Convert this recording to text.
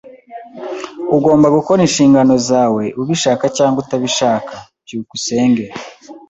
Ugomba gukora inshingano zawe, ubishaka cyangwa utabishaka. byukusenge